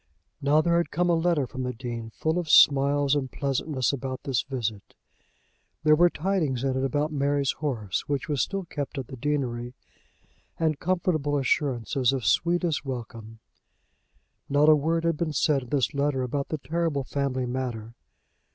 Now there had come a letter from the Dean full of smiles and pleasantness about this visit. There were tidings in it about Mary's horse, which was still kept at the deanery, and comfortable assurances of sweetest welcome. Not a word had been said in this letter about the terrible family matter.